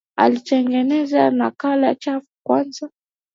Alitengeneza nakala chafu kwanza